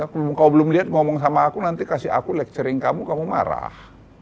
kalau belum lihat ngomong sama aku nanti kasih aku lekturing kamu kamu marah